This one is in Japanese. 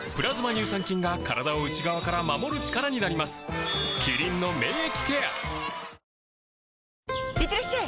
乳酸菌が体を内側から守る力になりますいってらっしゃい！